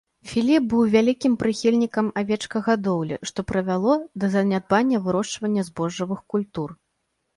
Філіп быў вялікім прыхільнікам авечкагадоўлі, што прывяло да занядбання вырошчвання збожжавых культур.